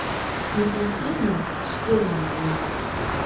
Титакемым – шкемын гын –